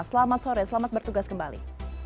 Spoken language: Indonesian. selamat sore selamat bertugas kembali